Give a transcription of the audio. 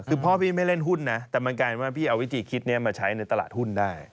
คือพ่อพี่ไม่เล่นหุ้นนะแต่มันกลายว่าพี่เอาวิธีคิดนี้มาใช้ในตลาดหุ้นได้